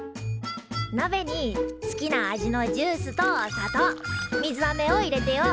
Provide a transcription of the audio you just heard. なべに好きな味のジュースと砂糖水あめを入れてよ